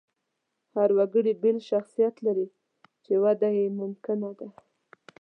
هر وګړی بېل شخصیت لري، چې وده یې ممکنه ده.